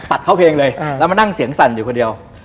เข้าเพลงเลยแล้วมานั่งเสียงสั่นอยู่คนเดียว